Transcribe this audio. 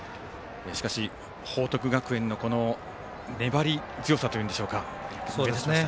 しかし、報徳学園の粘り強さというんでしょうか。